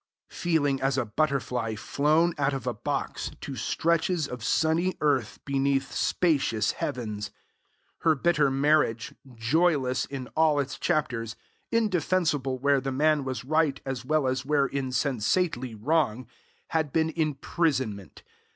feeling as a butterfly flown out of a box to stretches of sunny earth beneath spacious heavens. Her bitter marriage, joyless in all its chapters, indefensible where the man was right as well as where insensately wrong, had been imprisonment.